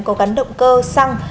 có gắn động cơ xăng